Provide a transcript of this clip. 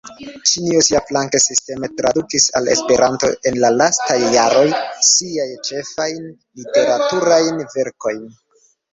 Ĉinio siaflanke sisteme tradukis al Esperanto, en la lastaj jaroj, siajn ĉefajn literaturajn verkojn.